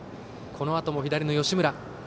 このあとも左の吉村。